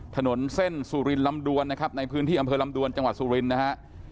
ถนนเส้นสุรินลำดวนนะครับในพื้นที่อำเภอลำดวนจังหวัดสุรินทร์นะฮะ